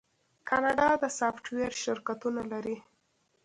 کاناډا د سافټویر شرکتونه لري.